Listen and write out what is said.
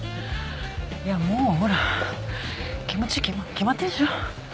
いやもうほら気持ち決まってるでしょ？